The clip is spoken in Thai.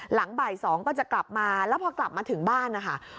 หลังบ่าย๒ก็จะกลับมาแล้วพอกลับมาถึงบ้านนะคะ